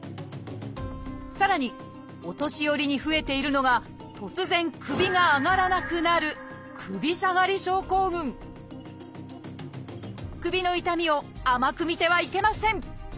さらにお年寄りに増えているのが突然首が上がらなくなる首の痛みを甘く見てはいけません。